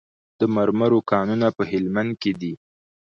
د مرمرو کانونه په هلمند کې دي